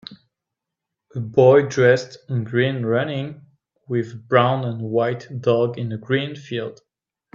A boy dressed in green running with a brown and white dog in a green field.